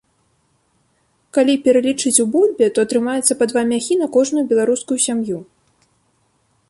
Калі пералічыць у бульбе, то атрымаецца па два мяхі на кожную беларускую сям'ю.